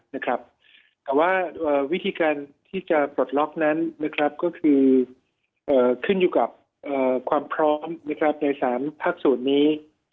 แต่ว่าวิธีการที่จะปลดล็อกนั้นก็คือขึ้นอยู่กับความพร้อมใน๓ภาคศูนย์นี้